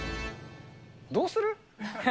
どうする？